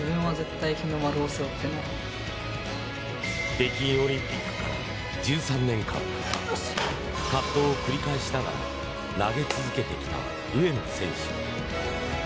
北京オリンピックから１３年間葛藤を繰り返しながら投げ続けてきた上野選手。